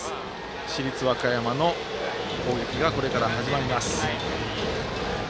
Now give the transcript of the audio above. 市立和歌山の攻撃がこれから始まります。